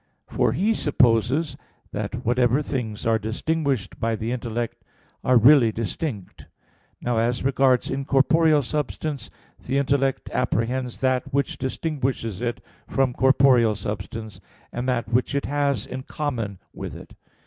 _ For he supposes that whatever things are distinguished by the intellect are really distinct. Now as regards incorporeal substance, the intellect apprehends that which distinguishes it from corporeal substance, and that which it has in common with it.